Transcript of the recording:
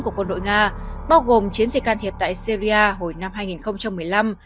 của quân đội nga bao gồm chiến dịch can thiệp tại syria hồi năm hai nghìn một mươi năm